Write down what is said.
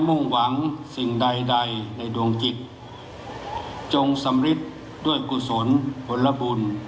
ถือว่าชีวิตที่ผ่านมายังมีความเสียหายแก่ตนและผู้อื่น